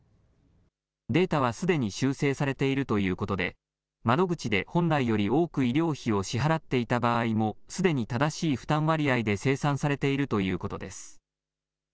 データはすでに修正されているということで窓口で本来より多く医療費を支払っていた場合もすでに正しい負担割合で精算されているということです。